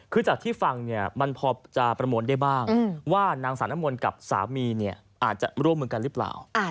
คือจากที่ฟังเนี่ยมันพอจะประมวลได้บ้างว่านางสาวน้ำมนต์กับสามีเนี่ยอาจจะร่วมมือกันหรือเปล่า